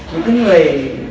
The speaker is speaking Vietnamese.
những cái người